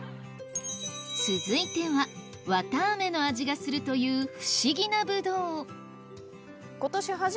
続いてはわたあめの味がするという不思議なブドウ